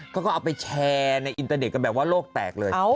เขาก็เอาไปแชร์ในอินเตอร์เน็ตกันแบบว่าโลกแตกเลย